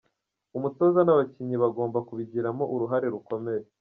Umutoza n’abakinnyi bagomba kubigiramo uruhare rukomeye”.